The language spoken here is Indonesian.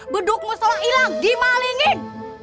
beduk musolah hilang dimalingin